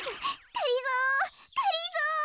がりぞーがりぞー！